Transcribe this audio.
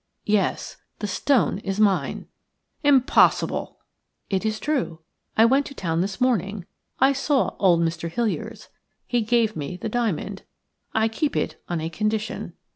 Yes, the stone is mine." "Impossible!" "It is true. I went to town this morning. I saw old Mr. Hiliers. He gave me the diamond. I keep it on a condition."